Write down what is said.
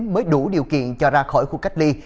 mới đủ điều kiện cho ra khỏi khu cách ly